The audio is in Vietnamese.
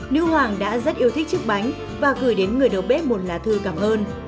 nữ hoàng đã rất yêu thích chiếc bánh và gửi đến người đầu bếp một là thư cảm ơn